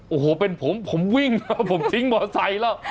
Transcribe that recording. โอ้โฮเป็นผมผมวิ่งผมทิ้งหมอใส่แล้ว